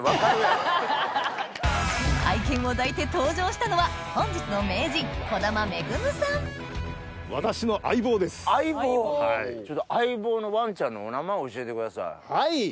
愛犬を抱いて登場したのは本日の相棒のワンちゃんのお名前教えてください。